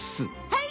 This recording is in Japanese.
はい。